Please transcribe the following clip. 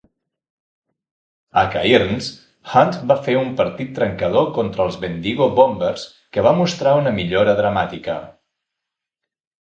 A Cairns, Hunt va fer un partit trencador contra els Bendigo Bombers que va mostrar una millora dramàtica.